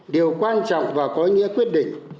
điều quan trọng và có nghĩa quyết định